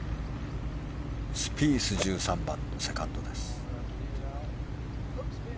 スピース１３番のセカンドです。